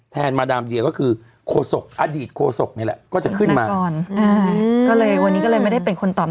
มาดามเดียก็คือโคศกอดีตโฆษกนี่แหละก็จะขึ้นมาก่อนอ่าก็เลยวันนี้ก็เลยไม่ได้เป็นคนตอบ